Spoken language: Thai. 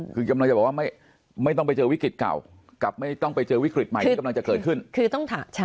คือกำลังจะบอกว่าไม่ไม่ต้องไปเจอวิกฤตเก่ากับไม่ต้องไปเจอวิกฤตใหม่ที่กำลังจะเกิดขึ้นคือต้องถาม